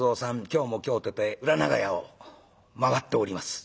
今日も今日とて裏長屋を回っております。